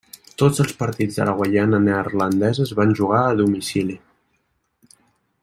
Tots els partits de la Guaiana Neerlandesa es van jugar a domicili.